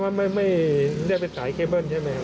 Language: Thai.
แต่ว่าไม่เล่าถึงตัยใช่ไหม